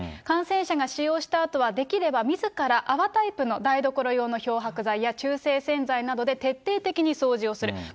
感染者が使用したあとは、できればみずから泡タイプの台所用の、漂白剤や中性洗剤などで徹底的に掃除をする。